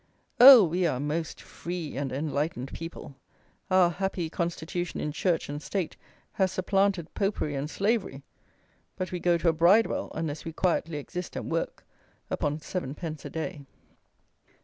Oh! we are a most free and enlightened people; our happy constitution in church and state has supplanted Popery and slavery; but we go to a Bridewell unless we quietly exist and work upon 7_d._ a day!